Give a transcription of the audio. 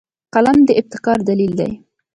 قلم د ابتکار دلیل دی